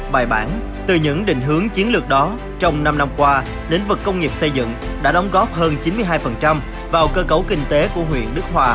bài bản từ những định hướng chiến lược đó trong năm năm qua lĩnh vực công nghiệp xây dựng đã đóng góp hơn chín mươi hai vào cơ cấu kinh tế của huyện đức hòa